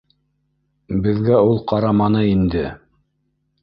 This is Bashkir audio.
Беҙгә ул ҡараманы инде